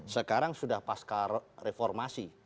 sekarang sudah pasca reformasi